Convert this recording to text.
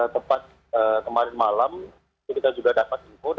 tempat kemarin malam kita juga dapat info